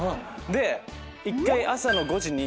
で１回朝の５時に。